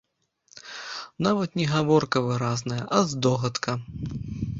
Нават не гаворка выразная, а здогадка.